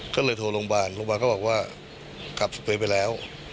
ก็เลยโทรโรงบาลโรงบาลก็บอกว่ากลับไปแล้ว